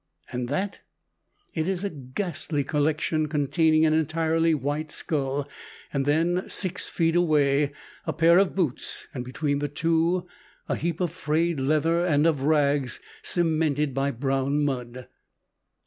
"And that?" It is a ghastly collection containing an entirely white skull, and then, six feet away, a pair of boots, and between the two a heap of frayed leather and of rags, cemented by brown mud.